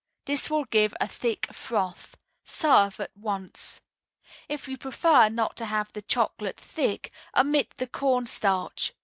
This will give a thick froth. Serve at once. If you prefer not to have the chocolate thick, omit the cornstarch.